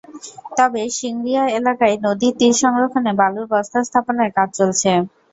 তবে সিংড়িয়া এলাকায় নদীর তীর সংরক্ষণে বালুর বস্তা স্থাপনের কাজ চলছে।